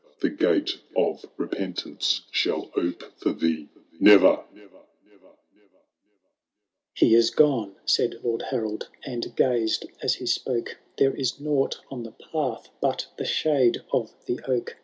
The gate of repentance shall ope fbr thee nxvbr !— XI. He is gone,*^Baid Lord Harold, and gazed as he spoke ;Thero is nought on the path but the shade of the oak.